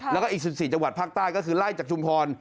แล้วก็อีก๑๔จังหวัดภาคใต้ก็คือไล่จากชุมพร